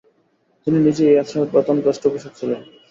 তিনি নিজেই এই আশ্রমের প্রধান পৃষ্ঠপোষক ছিলেন।